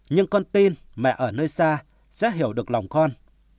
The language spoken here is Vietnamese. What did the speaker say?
nhưng con tin mẹ ở nơi xa sẽ hiểu được lòng con